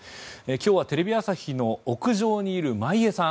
今日はテレビ朝日の屋上にいる眞家さん